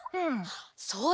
そうだ。